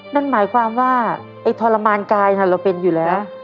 นั่นหมายความว่าไอ้ทรมานกายเราเป็นอยู่แล้ว